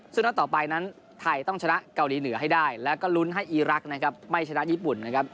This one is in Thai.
ซึ่งนัดต่อไปนั้นไทยต้องชนะเกาหลีเหนือให้ได้แล้วก็ลุ้นให้อีรักษ์นะครับไม่ชนะญี่ปุ่นนะครับ